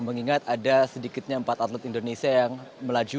mengingat ada sedikitnya empat atlet indonesia yang melaju